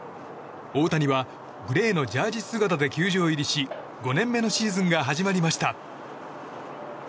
大谷はグレーのジャージー姿で球場入りし５年目のシーズンが始まりました。